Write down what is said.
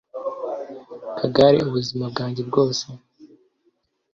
kagare ubuzima bwanjye bwose